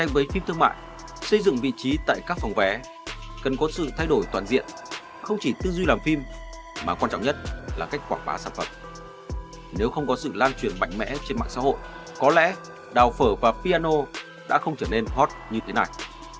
với phim thương mại xây dựng vị trí tại các phòng vé cần có sự thay đổi toàn diện không chỉ tư duy làm phim mà quan trọng nhất là cách quảng bá sản phẩm nếu không có sự lan truyền mạnh mẽ trên mạng xã hội có lẽ đào phở và piano đã không trở nên hot như thế này